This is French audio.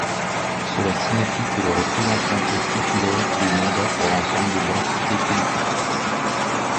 Cela signifie que le représentant est titulaire du mandat pour l'ensemble de l'entité politique.